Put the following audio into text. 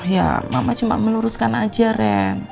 ya mama cuma meluruskan aja rem